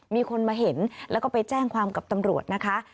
มีคนมาเห็นแล้วก็ไปแจ้งความกับตำรวจนะคะ